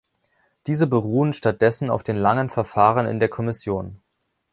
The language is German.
Diese beruhen statt dessen auf den langen Verfahren in der Kommission.